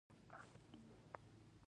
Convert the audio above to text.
دوه کاله مې بې غمه خپل سبقان وويل.